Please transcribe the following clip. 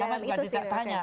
sama juga kita tanya